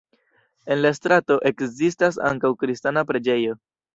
En la strato ekzistas ankaŭ kristana preĝejo.